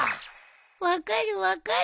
分かる分かる。